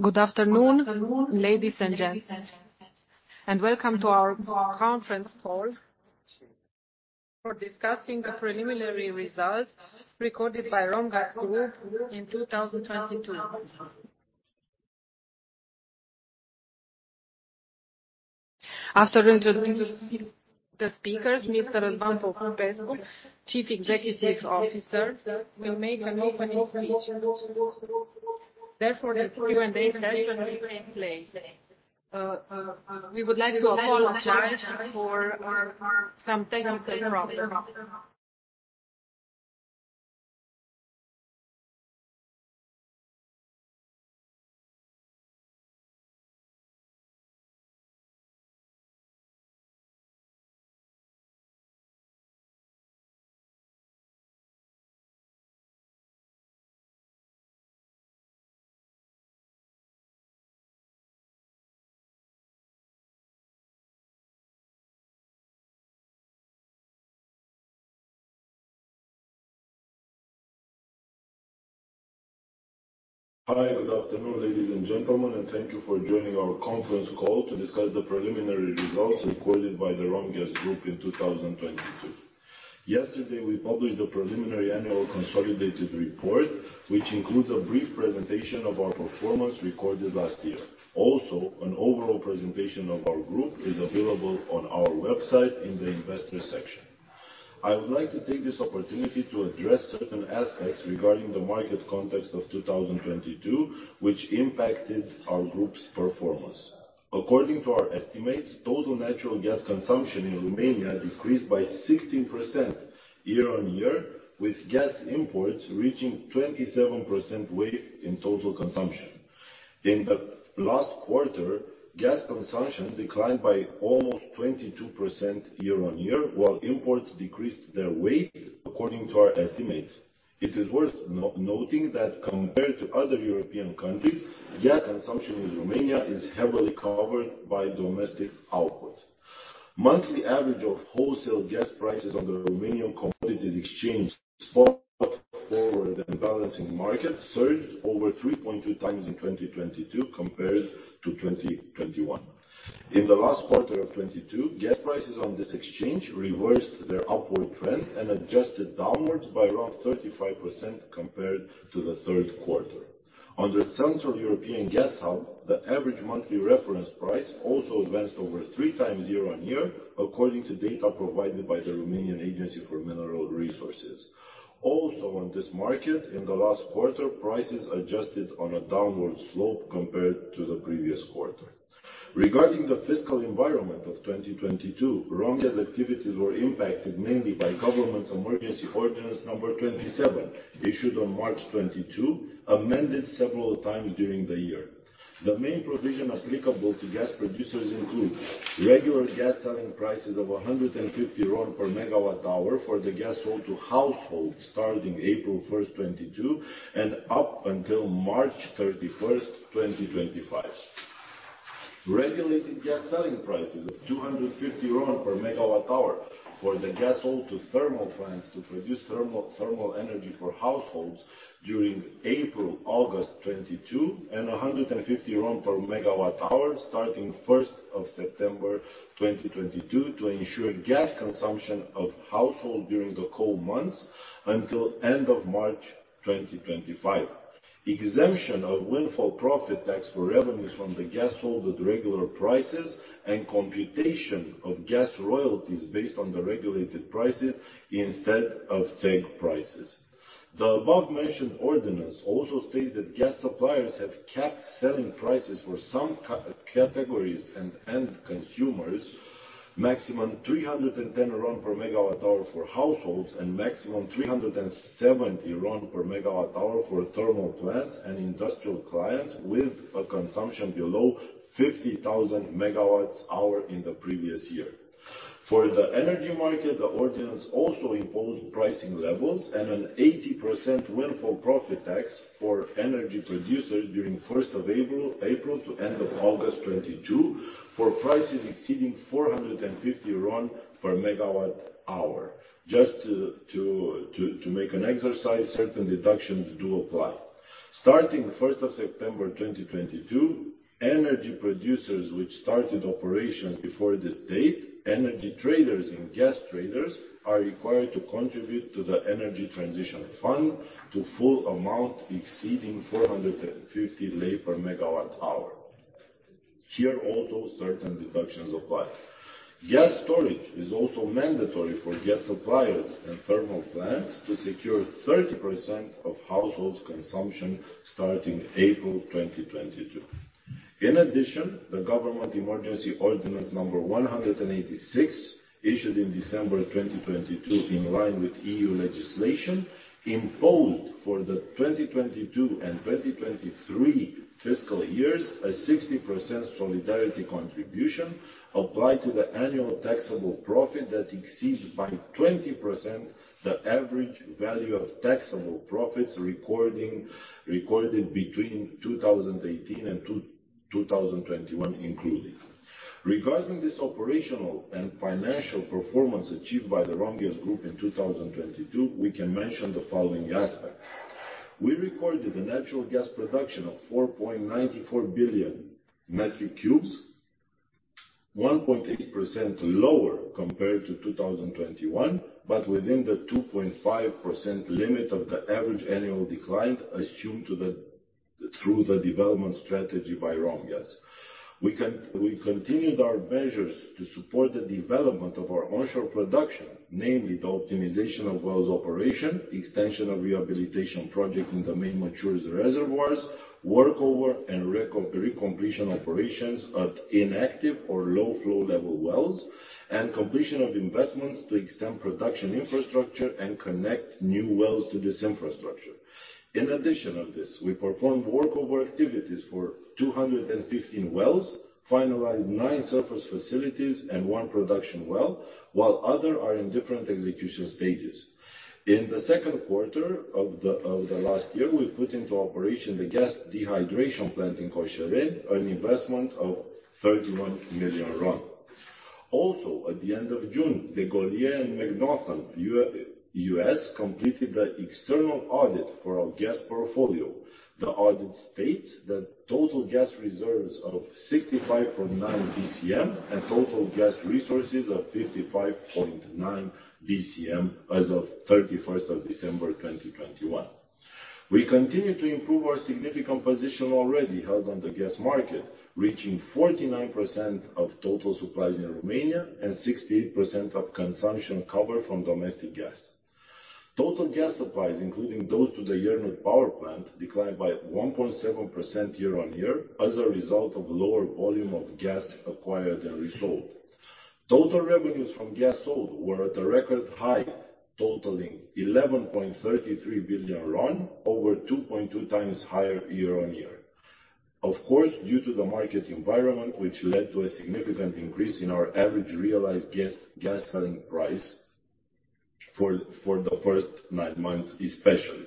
Good afternoon, ladies and gents, and welcome to our conference call for discussing the preliminary results recorded by Romgaz Group in 2022. After introducing the speakers, Mr. Răzvan Popescu, Chief Executive Officer, will make an opening speech. Therefore, the Q&A session will take place. We would like to apologize for our some technical problems. Hi. Good afternoon, ladies and gentlemen, and thank you for joining our conference call to discuss the preliminary results recorded by the Romgaz Group in 2022. Yesterday, we published the preliminary annual consolidated report, which includes a brief presentation of our performance recorded last year. An overall presentation of our group is available on our website in the investor section. I would like to take this opportunity to address certain aspects regarding the market context of 2022, which impacted our group's performance. According to our estimates, total natural gas consumption in Romania decreased by 16% year-on-year, with gas imports reaching 27% weight in total consumption. In the last quarter, gas consumption declined by almost 22% year-on-year, while imports decreased their weight according to our estimates. It is worth noting that compared to other European countries, gas consumption in Romania is heavily covered by domestic output. Monthly average of wholesale gas prices on the Romanian Commodities Exchange spot, forward, and balancing market surged over 3.2 times in 2022 compared to 2021. In the last quarter of 2022, gas prices on this exchange reversed their upward trend and adjusted downwards by around 35% compared to the third quarter. On the Central European Gas Hub, the average monthly reference price also advanced over 3 times year-on-year, according to data provided by the National Agency for Mineral Resources. Also, on this market, in the last quarter, prices adjusted on a downward slope compared to the previous quarter. Regarding the fiscal environment of 2022, Romgaz activities were impacted mainly by Government's Emergency Ordinance No. 27, issued on March 22, amended several times during the year. The main provision applicable to gas producers include regular gas selling prices of RON 150 per MWh for the gas sold to households starting April 1st, 2022, and up until March 31st, 2025. Regulated gas selling prices of RON 250 per MWh for the gas sold to thermal plants to produce thermal energy for households during April, August 2022, and RON 150 per MWh starting September 1st, 2022 to ensure gas consumption of household during the cold months until end of March 2025. Exemption of windfall profit tax for revenues from the gas sold at regular prices and computation of gas royalties based on the regulated prices instead of tag prices. The above-mentioned ordinance also states that gas suppliers have capped selling prices for some categories and end consumers maximum RON 310 per megawatt hour for households and maximum RON 370 per megawatt hour for thermal plants and industrial clients with a consumption below 50,000 megawatt hours in the previous year. For the energy market, the ordinance also imposed pricing levels and an 80% windfall profit tax for energy producers during first of April to end of August 2022 for prices exceeding RON 450 per megawatt hour. Just to make an exercise, certain deductions do apply. Starting first of September 2022, energy producers which started operations before this date, energy traders and gas traders are required to contribute to the Energy Transition Fund to full amount exceeding 450 LEI per megawatt hour. Here also, certain deductions apply. Gas storage is also mandatory for gas suppliers and thermal plants to secure 30% of household consumption starting April 2022. In addition, the Emergency Ordinance No. 186/2022, issued in December 2022 in line with EU legislation, imposed for the 2022 and 2023 fiscal years a 60% solidarity contribution applied to the annual taxable profit that exceeds by 20% the average value of taxable profits recorded between 2018 and 2021 included. Regarding this operational and financial performance achieved by the Romgaz Group in 2022, we can mention the following aspects. We recorded a natural gas production of 4.94 billion metric cubes, 1.8% lower compared to 2021, but within the 2.5% limit of the average annual decline assumed through the development strategy by Romgaz. We continued our measures to support the development of our onshore production, namely the optimization of wells operation, extension of rehabilitation projects in the main matures reservoirs, workover and recompletion operations at inactive or low flow level wells, and completion of investments to extend production infrastructure and connect new wells to this infrastructure. In addition of this, we performed workover activities for 215 wells, finalized nine surface facilities and one production well, while other are in different execution stages. In the second quarter of the last year, we put into operation the gas dehydration plant in Coșereni, an investment of 31 million RON. At the end of June, DeGolyer and MacNaughton completed the external audit for our gas portfolio. The audit states that total gas reserves of 65.9 BCM and total gas resources of 55.9 BCM as of 31st of December, 2021. We continue to improve our significant position already held on the gas market, reaching 49% of total supplies in Romania and 68% of consumption cover from domestic gas. Total gas supplies, including those to the Iernut Power Station, declined by 1.7% year-on-year as a result of lower volume of gas acquired and resold. Total revenues from gas sold were at a record high, totaling RON 11.33 billion, over 2.2 times higher year-on-year. Due to the market environment, which led to a significant increase in our average realized gas selling price for the first nine months, especially.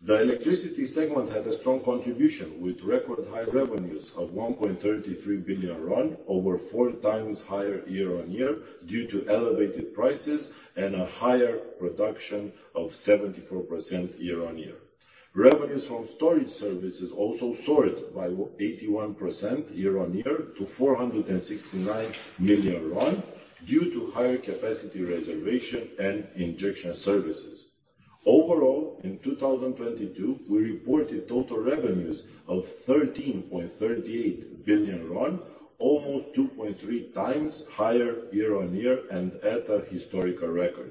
The electricity segment had a strong contribution with record high revenues of RON 1.33 billion, over four times higher year-on-year due to elevated prices and a higher production of 74% year-on-year. Revenues from storage services also soared by 81% year-on-year to RON 469 million due to higher capacity reservation and injection services. Overall, in 2022, we reported total revenues of RON 13.38 billion, almost 2.3 times higher year-on-year and at a historical record.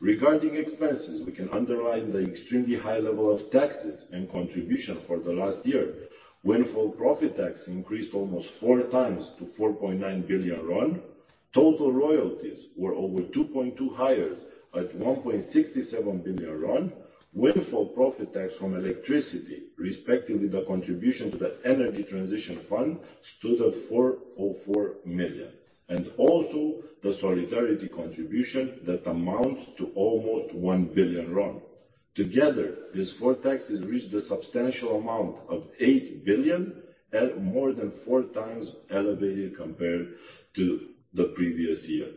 Regarding expenses, we can underline the extremely high level of taxes and contribution for the last year. windfall profit tax increased almost four times to RON 4.9 billion. Total royalties were over 2.2 higher at RON 1.67 billion. windfall profit tax from electricity, respectively, the contribution to the Energy Transition Fund stood at RON 4.4 million. Also the solidarity contribution that amounts to almost RON 1 billion. Together, these four taxes reached a substantial amount of RON 8 billion at more than 4 times elevated compared to the previous year.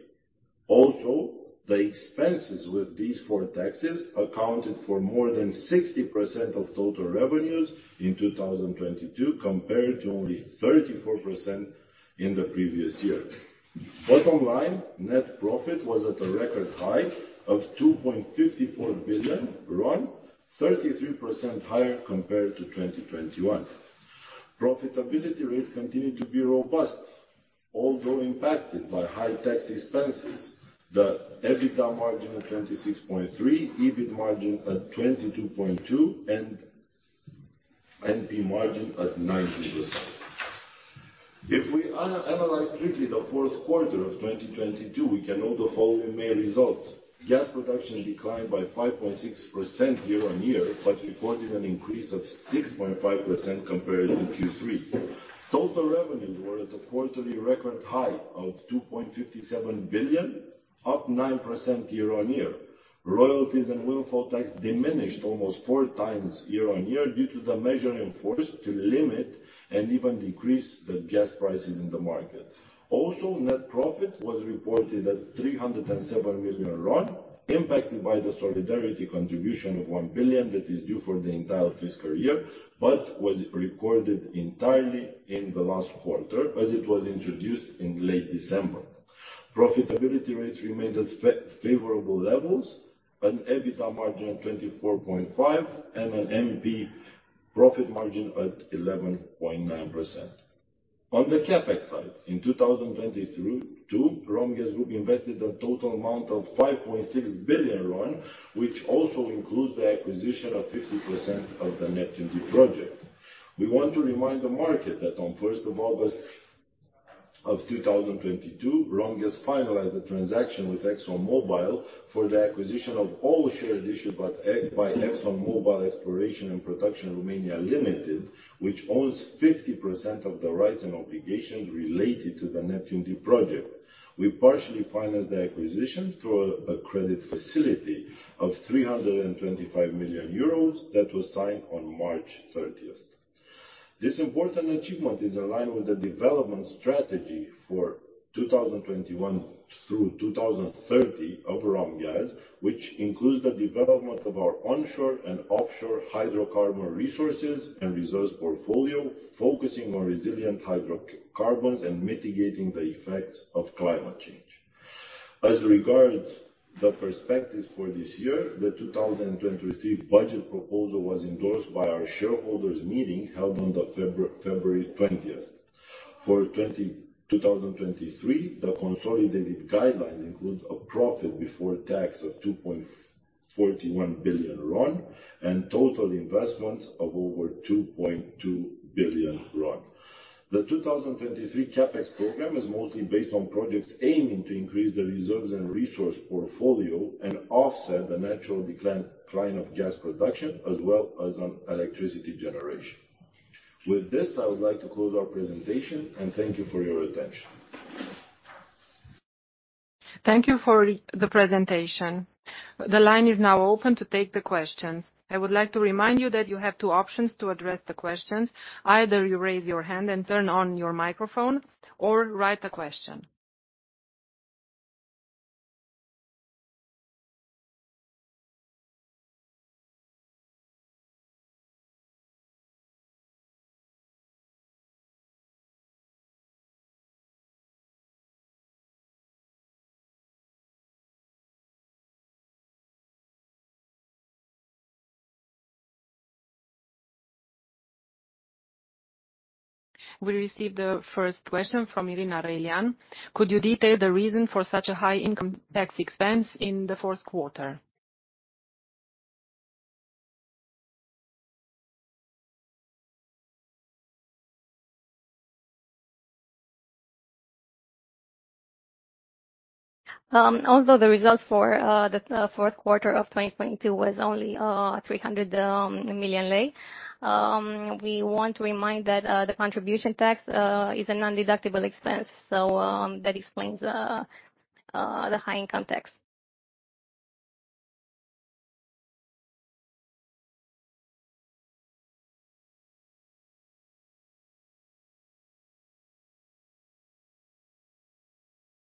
Also, the expenses with these four taxes accounted for more than 60% of total revenues in 2022 compared to only 34% in the previous year. Bottom line, net profit was at a record high of RON 2.54 billion, 33% higher compared to 2021. Profitability rates continued to be robust, although impacted by high tax expenses. The EBITDA margin of 26.3, EBIT margin at 22.2 and NP margin at 9%. If we analyze strictly the fourth quarter of 2022, we can know the following main results. Gas production declined by 5.6% year-on-year. Recorded an increase of 6.5% compared to Q3. Total revenues were at a quarterly record high of RON 2.57 billion, up 9% year-on-year. Royalties and windfall tax diminished almost 4 times year-on-year due to the measure enforced to limit and even decrease the gas prices in the market. Net profit was reported at RON 307 million, impacted by the solidarity contribution of RON 1 billion that is due for the entire fiscal year, was recorded entirely in the last quarter as it was introduced in late December. Profitability rates remained at favorable levels. An EBITDA margin of 24.5% and an NP profit margin at 11.9%. On the CapEx side, in 2022, Romgaz Group invested a total amount of RON 5.6 billion, which also includes the acquisition of 50% of the Neptun Deep project. We want to remind the market that on 1st of August of 2022, Romgaz finalized the transaction with ExxonMobil for the acquisition of all shares issued by ExxonMobil Exploration and Production Romania Limited, which owns 50% of the rights and obligations related to the Neptun Deep project. We partially financed the acquisition through a credit facility of 325 million euros that was signed on March 30th. This important achievement is aligned with the development strategy for 2021 through 2030 of Romgaz, which includes the development of our onshore and offshore hydrocarbon resources and resource portfolio, focusing on resilient hydrocarbons and mitigating the effects of climate change. As regards the perspectives for this year, the 2023 budget proposal was endorsed by our shareholders meeting held on the February 20th. For 2023, the consolidated guidelines include a profit before tax of RON 2.41 billion and total investments of over RON 2.2 billion. The 2023 CapEx program is mostly based on projects aiming to increase the reserves and resource portfolio and offset the natural decline of gas production, as well as on electricity generation. With this, I would like to close our presentation, thank you for your attention. Thank you for the presentation. The line is now open to take the questions. I would like to remind you that you have two options to address the questions. Either you raise your hand and turn on your microphone or write a question. We received the first question from Irina Răilean. Could you detail the reason for such a high income tax expense in the fourth quarter? Although the results for the fourth quarter of 2022 was only RON 300 million, we want to remind that the contribution tax is a non-deductible expense. That explains the high income tax.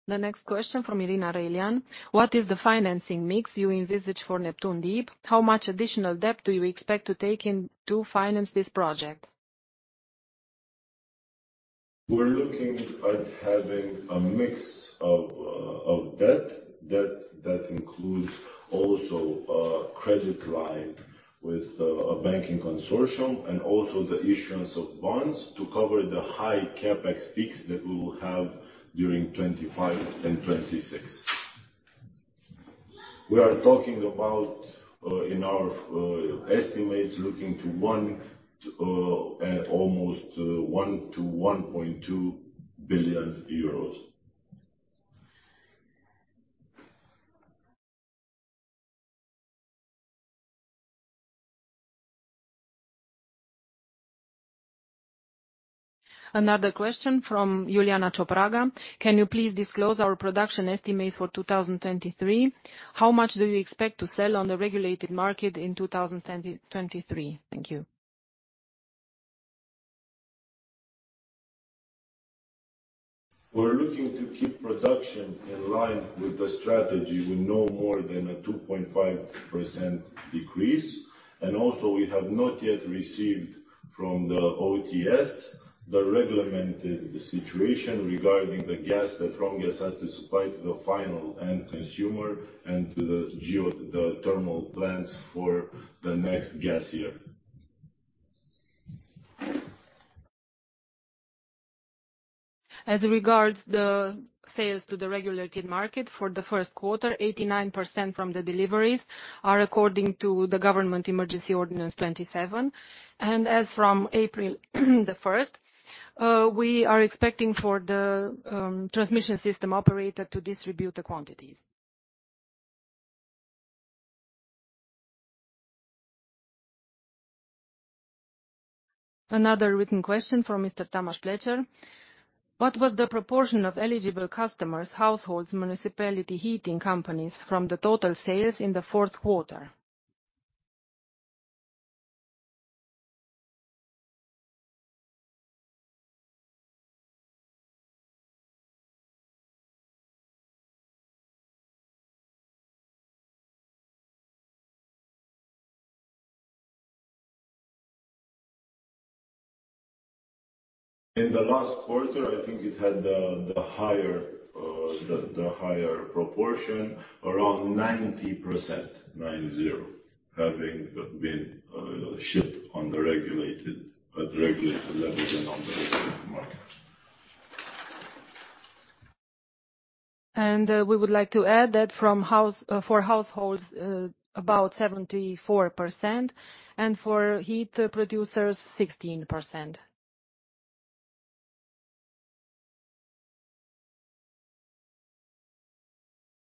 The next question from Irina Răilean. What is the financing mix you envisage for Neptun Deep? How much additional debt do you expect to take in to finance this project? We're looking at having a mix of debt. Debt that includes also a credit line with a banking consortium and also the issuance of bonds to cover the high CapEx peaks that we will have during 2025 and 2026. We are talking about, in our estimates, looking to 1, and almost EUR 1 billion-EUR 1.2 billion. Another question from Iuliana Ciopraga. Can you please disclose our production estimate for 2023? How much do you expect to sell on the regulated market in 2023? Thank you. We're looking to keep production in line with the strategy with no more than a 2.5% decrease. Also, we have not yet received from the OTS the regulated situation regarding the gas that Romgaz has to supply to the final end consumer and to the thermal plants for the next gas year. As regards the sales to the regulated market for the first quarter, 89% from the deliveries are according to the Government Emergency Ordinance 27. As from April 1st, we are expecting for the transmission system operator to distribute the quantities. Another written question from Mr. Tamás Flecher. What was the proportion of eligible customers, households, municipality heating companies from the total sales in the fourth quarter? In the last quarter, I think it had the higher proportion, around 90%, nine zero, having been shipped on the regulated, at regulated levels and on the regulated market. We would like to add that for households, about 74%, and for heat producers, 16%.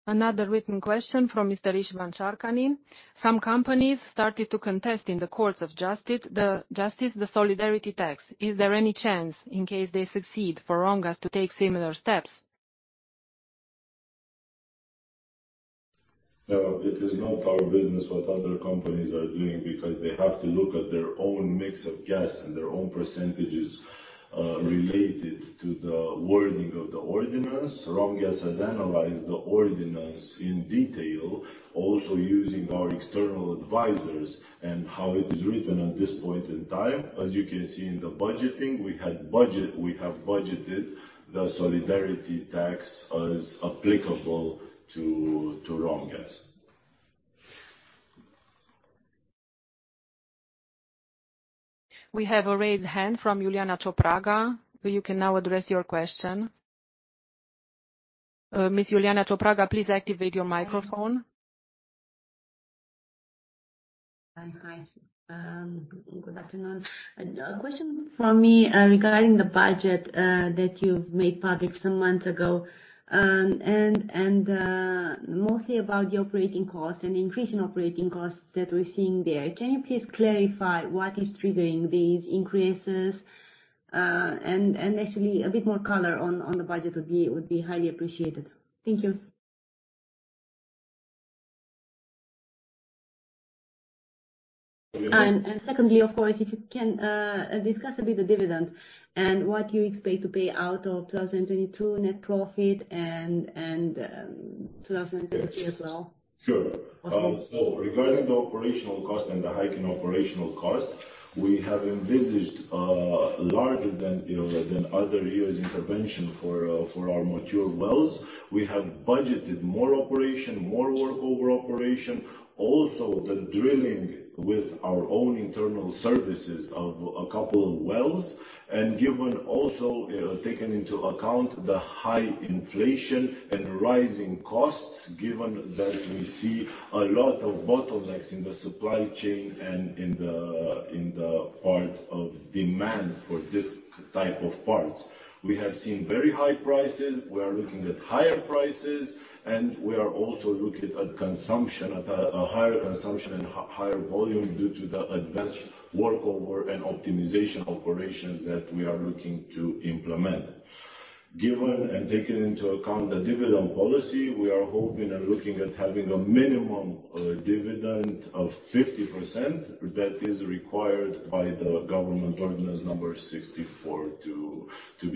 Another written question from Mr. István Sárkány. Some companies started to contest in the courts of justice the solidarity tax. Is there any chance, in case they succeed, for Romgaz to take similar steps? No, it is not our business what other companies are doing because they have to look at their own mix of gas and their own percentages related to the wording of the ordinance. Romgaz has analyzed the ordinance in detail, also using our external advisors and how it is written at this point in time. As you can see in the budgeting, we have budgeted the solidarity tax as applicable to Romgaz. We have a raised hand from Iuliana Ciopraga. You can now address your question. Ms. Iuliana Ciopraga, please activate your microphone. Hi. Good afternoon. A question from me regarding the budget that you've made public some months ago, mostly about the operating costs and increase in operating costs that we're seeing there. Can you please clarify what is triggering these increases? Actually a bit more color on the budget would be highly appreciated. Thank you. Secondly, of course, if you can discuss a bit the dividend and what you expect to pay out of 2022 net profit and 2023 as well. Sure. Regarding the operational cost and the hike in operational cost, we have envisaged larger than, you know, than other years intervention for our mature wells. We have budgeted more operation, more workover operation. The drilling with our own internal services of a couple wells, and given also, taken into account the high inflation and rising costs, given that we see a lot of bottlenecks in the supply chain and in the, in the part of demand for this type of parts. We have seen very high prices. We are looking at higher prices. We are also looking at consumption at a higher consumption and higher volume due to the advanced workover and optimization operations that we are looking to implement. Given and taken into account the dividend policy, we are hoping and looking at having a minimum dividend of 50% that is required by the Government Ordinance No. 64 to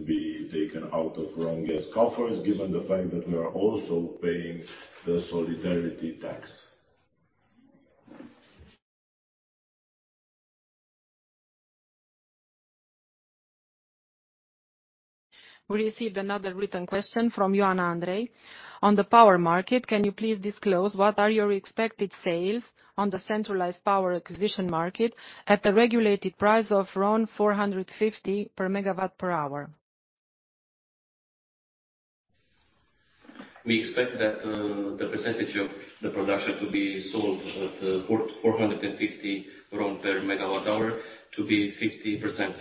be taken out of Romgaz coffers, given the fact that we are also paying the solidarity tax. We received another written question from Iulian Andrei. On the power market, can you please disclose what are your expected sales on the centralized power acquisition market at the regulated price of RON 450 per megawatt per hour? We expect that, the percentage of the production to be sold at RON 450 per megawatt hour to be 50%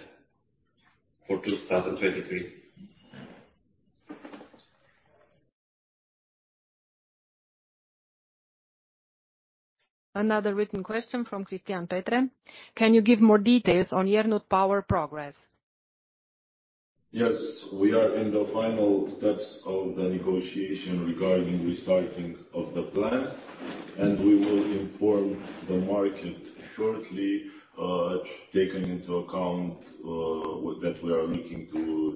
for 2023. Another written question from Cristian Tătar. Can you give more details on Iernut Power Station progress? Yes. We are in the final steps of the negotiation regarding restarting of the plant. We will inform the market shortly, taken into account, that we are looking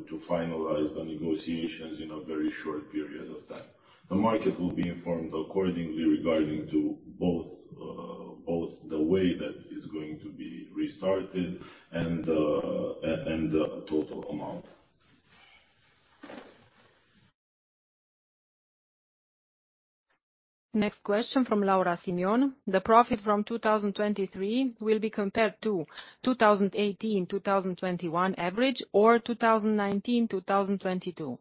to finalize the negotiations in a very short period of time. The market will be informed accordingly regarding to both the way that it's going to be restarted and the total amount. Question from Laura Simion. The profit from 2023 will be compared to 2018, 2021 average or 2019, 2022?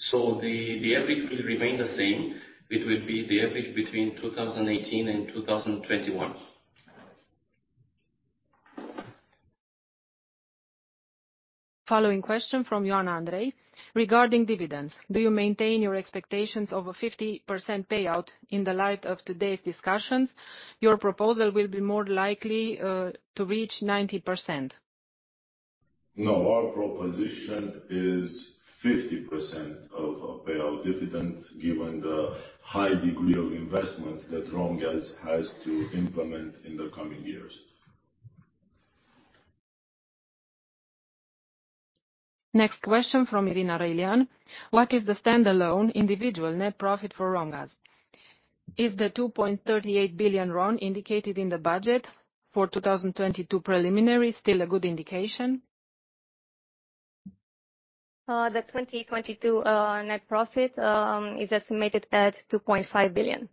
The average will remain the same. It will be the average between 2018 and 2021. Following question from Iulian Andrei. Regarding dividends, do you maintain your expectations of a 50% payout in the light of today's discussions? Your proposal will be more likely to reach 90%. No, our proposition is 50% of a payout dividend, given the high degree of investments that Romgaz has to implement in the coming years. Next question from Irina Răilean. What is the standalone individual net profit for Romgaz? Is the RON 2.38 billion indicated in the budget for 2022 preliminary still a good indication? The 2022 net profit is estimated at LEI 2.5 billion.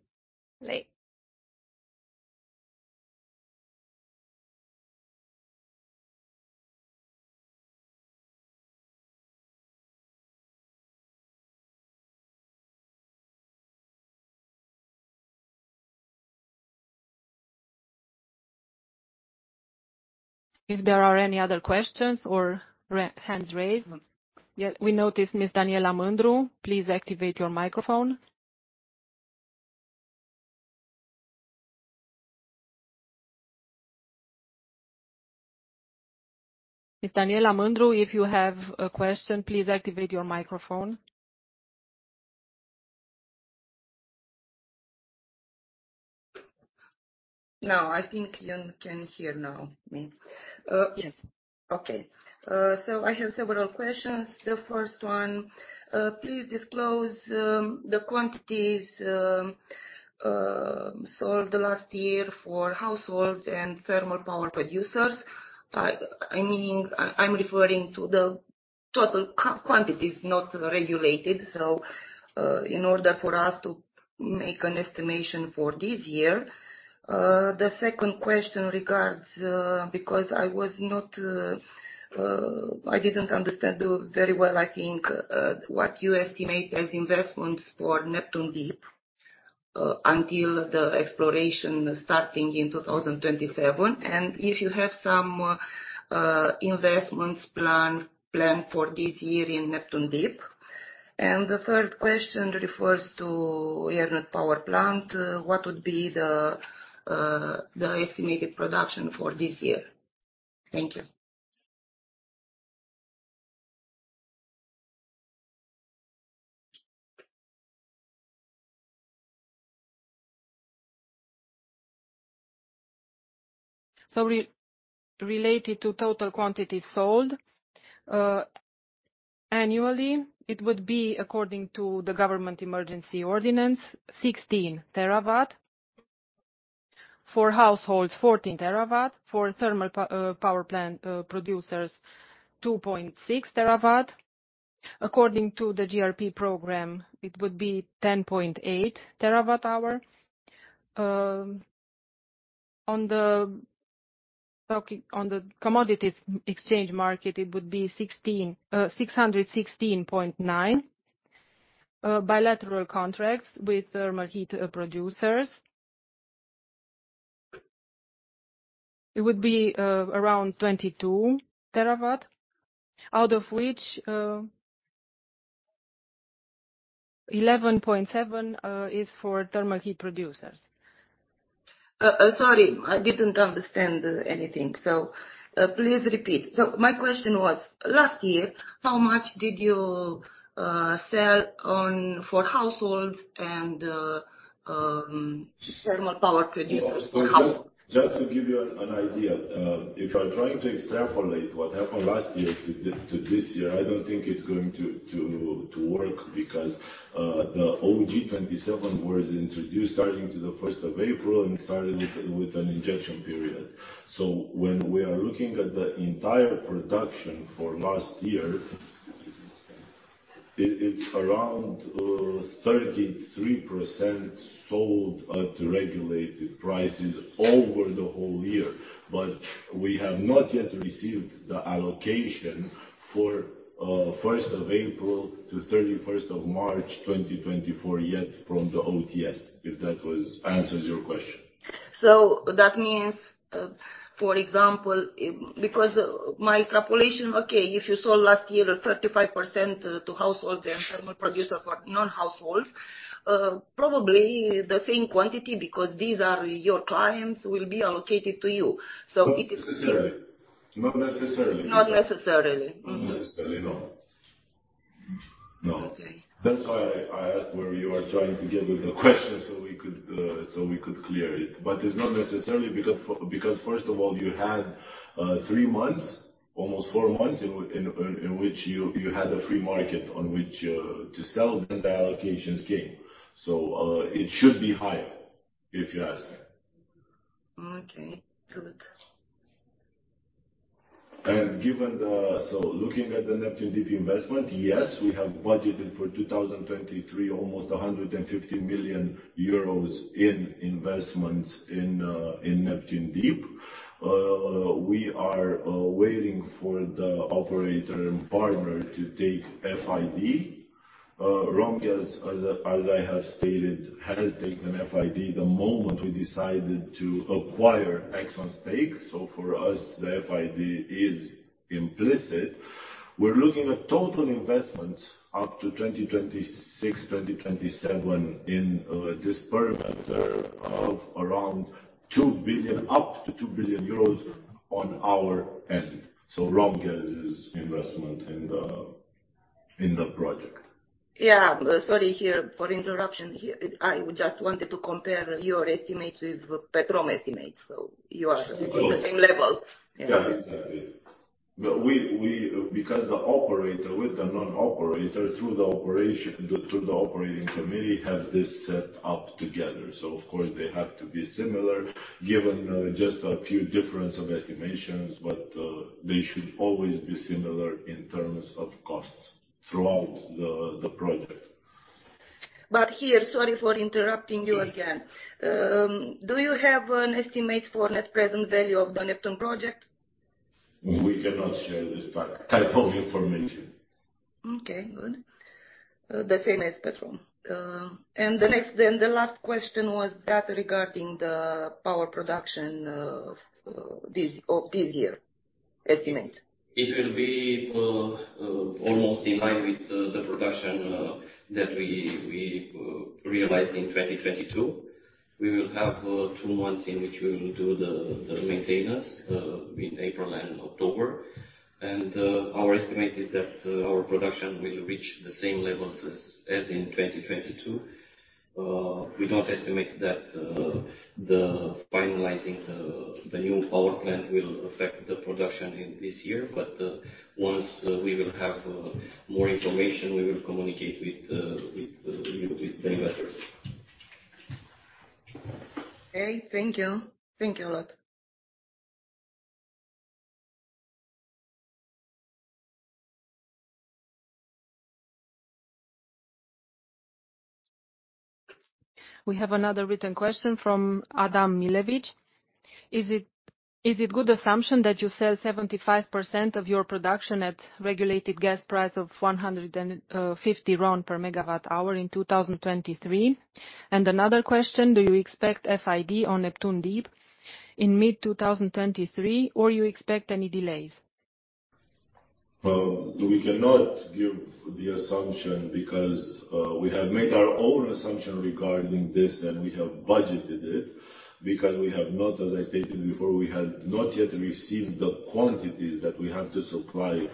If there are any other questions or hands raised. Yeah, we noticed Ms. Daniela Mîndru. Miss Daniela Mîndru, if you have a question, please activate your microphone. I think you can hear now me. Yes. Okay. So I have several questions. The first one, please disclose the quantities sold the last year for households and thermal power producers. I'm referring to the total quantities not regulated. In order for us to make an estimation for this year. The second question regards, because I was not, I didn't understand very well, I think, what you estimate as investments for Neptun Deep until the exploration starting in 2027. If you have some investments planned for this year in Neptun Deep. The third question refers to Iernut Power Plant. What would be the estimated production for this year? Thank you. Related to total quantity sold annually, it would be according to the government emergency ordinance, 16 terawatt. For households, 14 terawatt. For thermal power plant producers, 2.6 terawatt. According to the GRP program, it would be 10.8 terawatt-hour. On the commodities exchange market, it would be 616.9. Bilateral contracts with thermal heat producers, it would be around 22 terawatt, out of which 11.7 terawatt is for thermal heat producers. Sorry, I didn't understand anything. Please repeat. My question was, last year, how much did you sell on for households and thermal power producers? Just to give you an idea, if you're trying to extrapolate what happened last year to this year, I don't think it's going to work because the GEO-27 was introduced starting to the 1st of April and started with an injection period. So when we are looking at the entire production for last year, it's around 33% sold at regulated prices over the whole year. But we have not yet received the allocation for 1st of April to 31st of March 2024 yet from the OTS, if that answers your question. That means, for example, because my extrapolation, okay, if you sold last year 35%, to household and thermal producer for non-households, probably the same quantity because these are your clients will be allocated to you. Not necessarily. Not necessarily. Not necessarily. Not necessarily, no. No. Okay. That's why I asked where you are trying to get with the question so we could, so we could clear it. It's not necessarily because first of all, you had, three months, almost four months in which you had a free market on which, to sell, then the allocations came. It should be higher if you ask me. Okay, good. Looking at the Neptun Deep investment, yes, we have budgeted for 2023 almost 150 million euros in investments in Neptun Deep. We are waiting for the operator and partner to take FID. Romgaz, as I have stated, has taken FID the moment we decided to acquire Exxon's stake. For us, the FID is implicit. We're looking at total investments up to 2026, 2027 in this perimeter of around 2 billion, up to 2 billion euros on our end. Romgaz's investment in the project. Yeah. Sorry here for interruption. I just wanted to compare your estimates with Petrom estimates. You are at the same level. Yeah, exactly. We because the operator with the non-operator through the operation, through the operating committee, has this set up together. Of course, they have to be similar given just a few difference of estimations, but they should always be similar in terms of costs throughout the project. Here, sorry for interrupting you again. Do you have an estimate for net present value of the Neptun project? We cannot share this type of information. Okay, good. The same as Petrom. The next then, the last question was that regarding the power production of this year. Estimate. It will be almost in line with the production that we realized in 2022. We will have 2 months in which we will do the maintenance in April and October. Our estimate is that our production will reach the same levels as in 2022. We don't estimate that the finalizing the new power plant will affect the production in this year. Once we will have more information, we will communicate with you, with the investors. Okay, thank you. Thank you a lot. We have another written question from Adam Milewicz. Is it good assumption that you sell 75% of your production at regulated gas price of RON 150 per megawatt-hour in 2023? Another question, do you expect FID on Neptun Deep in mid-2023 or you expect any delays? Well, we cannot give the assumption because, we have made our own assumption regarding this, and we have budgeted it. We have not, as I stated before, we have not yet received the quantities that we have to supply,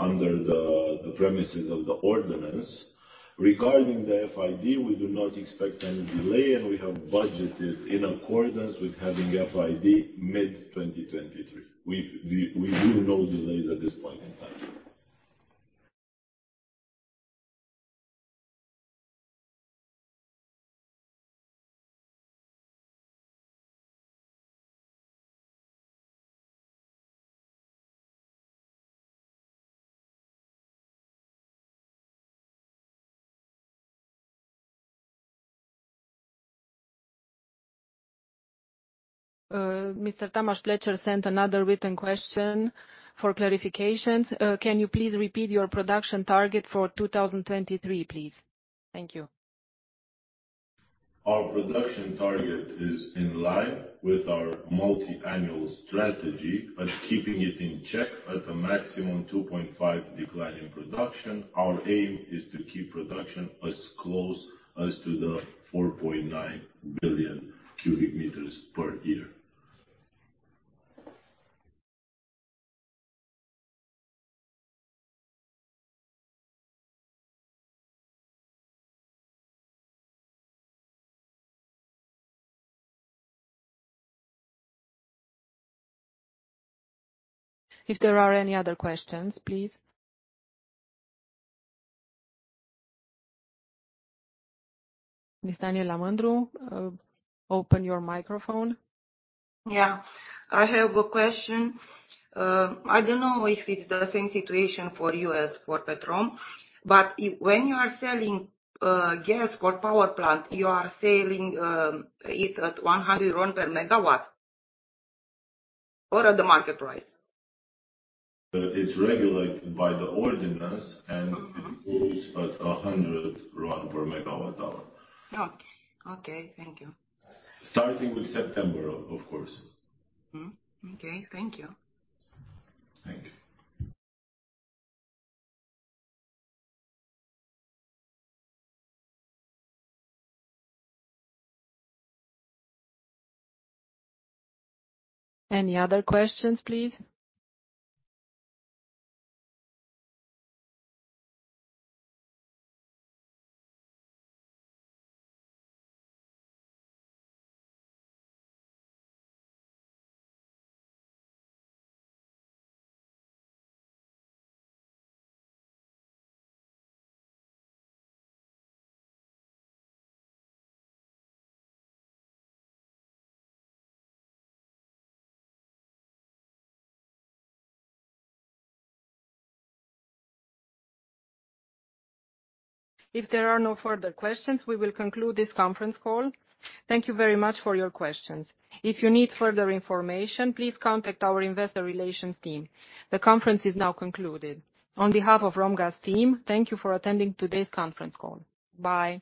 under the premises of the ordinance. Regarding the FID, we do not expect any delay, and we have budgeted in accordance with having FID mid-2023. We view no delays at this point in time. Mr. Tamás Flecher sent another written question for clarifications. Can you please repeat your production target for 2023, please? Thank you. Our production target is in line with our multi-annual strategy, but keeping it in check at a maximum 2.5 decline in production. Our aim is to keep production as close as to the 4.9 billion cubic meters per year. If there are any other questions, please. Miss Daniela Mîndru, open your microphone. Yeah, I have a question. I don't know if it's the same situation for you as for Petrom. When you are selling gas for power plant, you are selling it at RON 100 per megawatt or at the market price? it's regulated by the ordinance. Mm-hmm. It's at 100 RON per megawatt-hour. Okay. Okay, thank you. Starting with September, of course. Okay, thank you. Thank you. Any other questions, please? If there are no further questions, we will conclude this conference call. Thank you very much for your questions. If you need further information, please contact our investor relations team. The conference is now concluded. On behalf of Romgaz team, thank you for attending today's conference call. Bye.